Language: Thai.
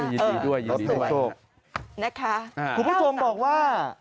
ยินดีด้วยยินดีด้วยรับโชคนะคะ๙๓๕คุณผู้ชมบอกว่า